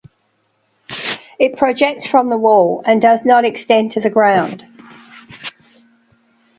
It projects from the wall and does not extend to the ground.